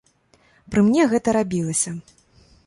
Пры мне гэта рабілася.